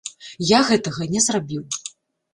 Я гэтага не зрабіў.